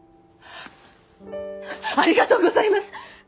ありがとうございます！